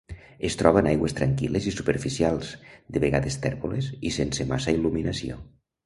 Es troba en aigües tranquil·les i superficials, de vegades tèrboles i sense massa il·luminació.